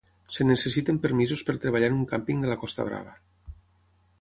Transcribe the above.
Es necessiten permisos per treballar en un càmping de la Costa Brava.